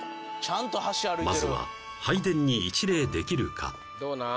まずは拝殿に一礼できるかどうなん？